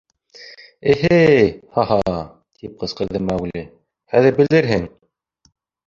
— Э-Һей, ха-ха! — тип ҡысҡырҙы Маугли, — хәҙер белерһең!